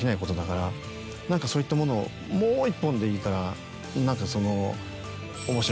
何かそういったものをもう１本でいいから何か。